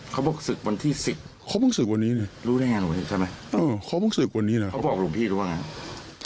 เขาเพิ่งศึกวันที่สิบเขาเพิ่งศึกวันนี้เนี่ย